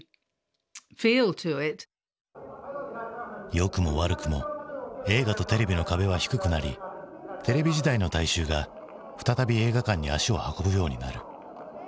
良くも悪くも映画とテレビの壁は低くなりテレビ時代の大衆が再び映画館に足を運ぶようになる。